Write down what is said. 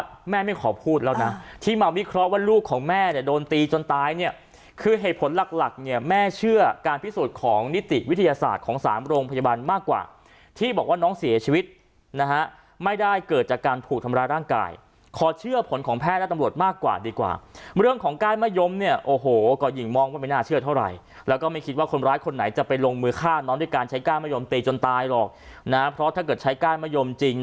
ว่าแม่ไม่ขอพูดแล้วนะที่มาวิเคราะห์ว่าลูกของแม่เนี่ยโดนตีจนตายเนี่ยคือเหตุผลหลักหลักเนี่ยแม่เชื่อการพิสูจน์ของนิติวิทยาศาสตร์ของสามโรงพยาบาลมากกว่าที่บอกว่าน้องเสียชีวิตนะฮะไม่ได้เกิดจากการผูกทำร้ายร่างกายขอเชื่อผลของแพทย์และตำรวจมากกว่าดีกว่าเมื่อเรื่องของก้านมะยม